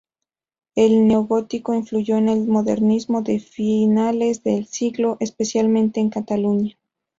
El neogótico influyó en el modernismo de finales de siglo, especialmente en Cataluña.